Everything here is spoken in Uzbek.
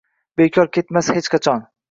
Bekor ketmas hech qachon.